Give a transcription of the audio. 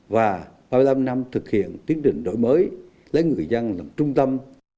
và ba mươi năm năm thực hiện tiến trình đổi mới lấy người dân làm trung tâm